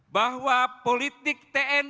bahwa politik tni tidak akan berhenti